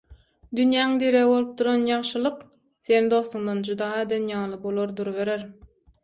Dünýäň diregi bolup duran ýagşylyk, seni dostuňdan jyda eden ýaly bolar duruberer.